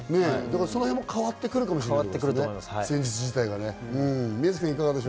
その辺も変わってくるかもしれない、戦術自体もね。